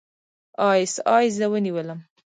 اى ايس اى زه ونیولم.